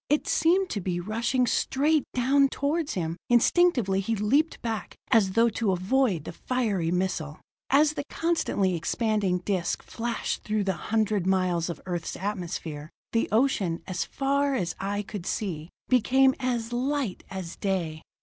It seemed to be rushing straight down toward him; instinctively he leaped back, as though to avoid the fiery missile. As the constantly expanding disc flashed through the hundred miles of Earth's atmosphere, the ocean, as far as eye could see, became as light as day.